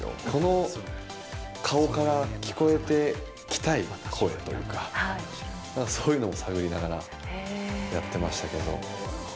この顔から聞こえてきたい声というか、なんかそういうのを探りながらやってましたけど。